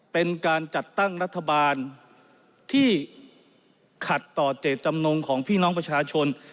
เป็นการจัดตั้งรัฐบาลที่ขัดต่อเจตจำนงของพี่น้องประชาชน